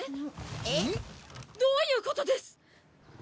えっ？どういうことです！？